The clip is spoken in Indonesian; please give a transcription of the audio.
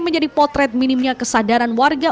menjadi potret minimnya kesadaran warga